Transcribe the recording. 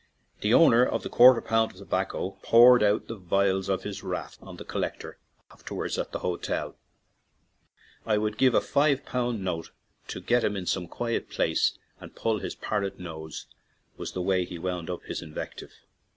The owner of the quarter pound of tobacco poured out the 3 ON AN IRISH JAUNTING CAR vials of his wrath on the " collector" after wards at the hotel: "I would give a five pound note to get him in some quiet place and pull his parrot nose/' was the way he wound up his invective.